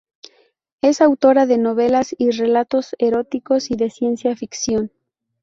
Es autora de novelas y relatos eróticos y de ciencia ficción.